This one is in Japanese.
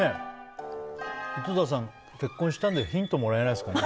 井戸田さん、結婚したのでヒントもらえないですかね。